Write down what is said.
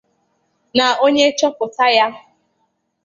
na onye chọpụtaa ya